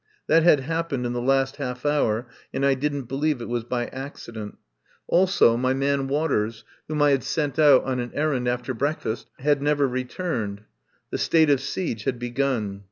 That had happened in the last half hour and I didn't believe it was by accident. Also 168 I FIND SANCTUARY my man Waters, whom I had sent out on an errand after breakfast, had never returned. The state of siege had begun.